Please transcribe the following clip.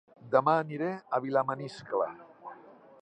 Dema aniré a Vilamaniscle